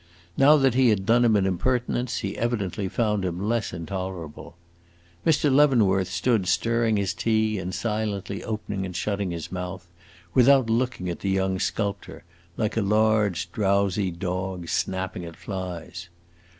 Now that he had done him an impertinence, he evidently found him less intolerable. Mr. Leavenworth stood stirring his tea and silently opening and shutting his mouth, without looking at the young sculptor, like a large, drowsy dog snapping at flies.